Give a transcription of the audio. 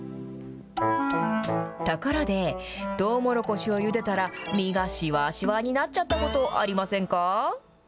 ところで、とうもろこしをゆでたら、実がしわしわになっちゃったこと、ありませんか？